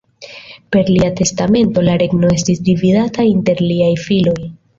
Per lia testamento la regno estis dividata inter liaj filoj.